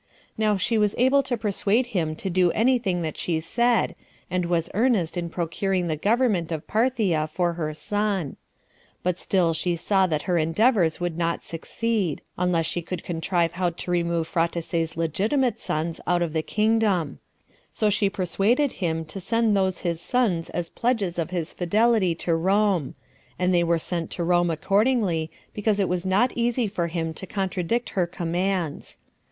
Now she was able to persuade him to do any thing that she said, and was earnest in procuring the government of Parthia for her son; but still she saw that her endeavors would not succeed, unless she could contrive how to remove Phraates's legitimate sons [out of the kingdom;] so she persuaded him to send those his sons as pledges of his fidelity to Rome; and they were sent to Rome accordingly, because it was not easy for him to contradict her commands.